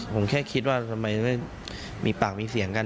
ผมแค่คิดว่าทำไมไม่มีปากมีเสียงกัน